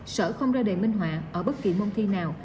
sở không ra đề minh họa ở bất kỳ môn thi nào